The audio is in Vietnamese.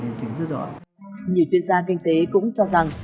nhiều chuyên gia kinh tế cũng cho rằng